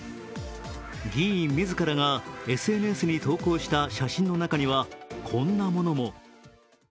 議員自らがＳＮＳに投稿した写真の中にはこんなものも。